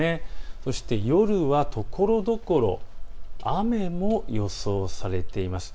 そして、ところどころ雨も予想されています。